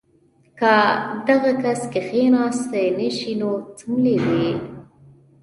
کۀ دغه کس کښېناستے نشي نو څملي دې